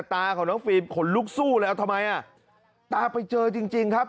ตาของน้องฟิล์มขนลุกสู้แล้วทำไมอ่ะตาไปเจอจริงจริงครับ